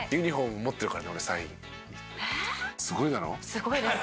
すごいです。